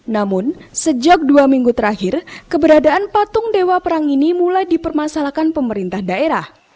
namun sejak dua minggu terakhir keberadaan patung dewa perang ini mulai dipermasalahkan pemerintah daerah